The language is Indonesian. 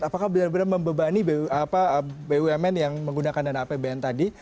apakah benar benar membebani bumn yang menggunakan dana apbn tadi